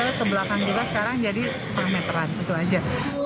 terus ke belakang juga sekarang jadi satu meteran itu saja